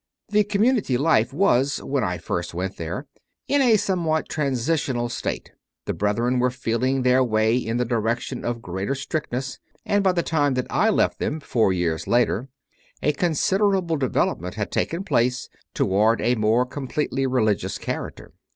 The community life was, when I first went there, in a somewhat transitional state: the Brethren were feeling their way in the direction of greater strictness; and by the time that I left them, four years later, a considerable development had taken place toward a more completely Religious character.